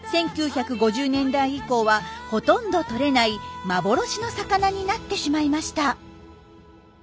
１９５０年代以降はほとんどとれない幻の魚になってしまいました。